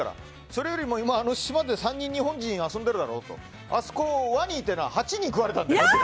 それよりも島で３人日本人が遊んでるだろってあそこ、ワニいて８人くわれたって。